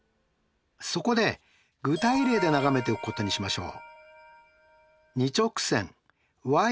そこで具体例で眺めておくことにしましょう。